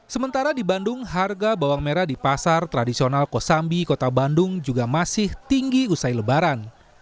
sementara di bandung harga bawang merah di pasar tradisional kosambi kota bandung juga masih tinggi usai lebaran